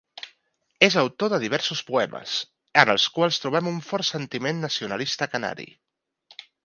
És autor de diversos poemes, en els quals trobem un fort sentiment nacionalista canari.